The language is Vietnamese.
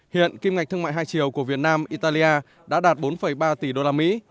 hiện kim ngạch thương mại hai triệu của việt nam italia đã đạt bốn ba tỷ đô la mỹ